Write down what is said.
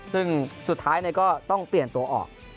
ซึ่งสุดท้ายก็ต้องเปลี่ยนตัวออก